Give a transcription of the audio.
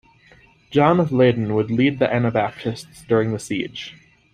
John of Leiden would lead the Anabaptists during the siege.